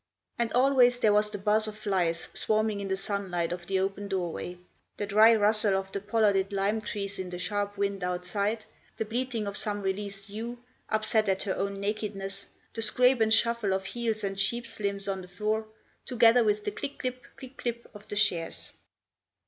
And always there was the buzz of flies swarming in the sunlight of the open doorway, the dry rustle of the pollarded lime trees in the sharp wind outside, the bleating of some released ewe, upset at her own nakedness, the scrape and shuffle of heels and sheep's limbs on the floor, together with the "click clip, click clip" of the shears.